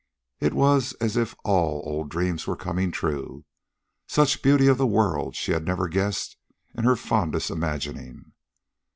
It was as if all old dreams were coming true. Such beauty of the world she had never guessed in her fondest imagining.